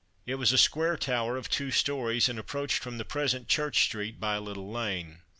It was a square tower of two stories, and approached from the present Church street by a little lane.